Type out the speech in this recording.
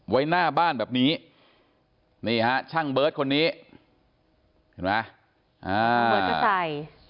ไว้หน้าบ้านแบบนี้นี่ฮะช่างเบิร์ตคนนี้เห็นไหมเบิร์ตจะใส่